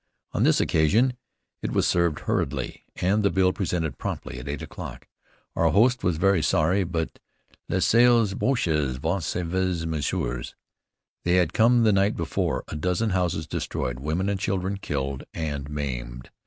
On this occasion it was served hurriedly, and the bill presented promptly at eight o'clock. Our host was very sorry, but "les sales Boches, vous savez, messieurs?" They had come the night before: a dozen houses destroyed, women and children killed and maimed.